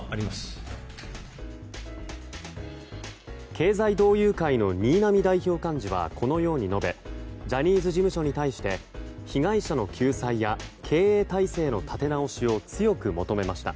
経済同友会の新浪代表幹事はこのように述べジャニーズ事務所に対して被害者の救済や経営体制の立て直しを強く求めました。